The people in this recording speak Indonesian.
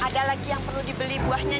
ada lagi yang perlu dibeli buahnya